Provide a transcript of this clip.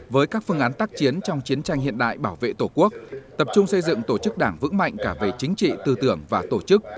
với các phương án tác chiến trong chiến tranh hiện đại bảo vệ tổ quốc tập trung xây dựng tổ chức đảng vững mạnh cả về chính trị tư tưởng và tổ chức